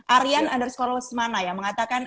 aryan underscore lesmana yang mengatakan